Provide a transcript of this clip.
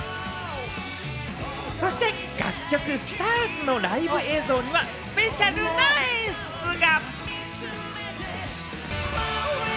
そして楽曲『ＳＴＡＲＳ』のライブ映像には、スペシャルな演出が！